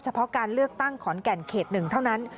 เพาะการเลือกตั้งขอนแก่นเขต๑เท่านั้น